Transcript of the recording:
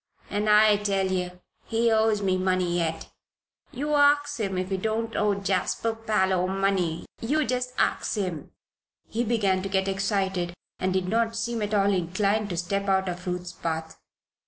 And I tell ye he owes me money yet. You ax him if he don't owe Jasper Parloe money you jest ax him!" He began to get excited and did not seem at all inclined to step out of Ruth's path.